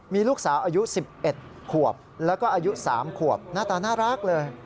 มีลูกสาวอายุ๑๑ขวบแล้วก็อายุ๓ขวบหน้าตาน่ารักเลย